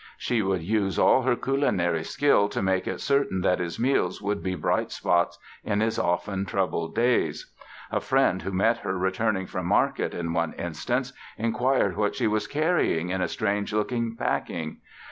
She would use all her culinary skill to make it certain that his meals would be bright spots in his often troubled days. A friend who met her returning from market in one instance inquired what she was carrying in a strange looking packing.